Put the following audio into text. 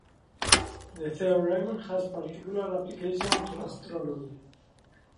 This theorem has particular application to astronomy.